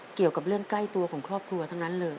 เกี่ยวกับเรื่องใกล้ตัวของครอบครัวทั้งนั้นเลย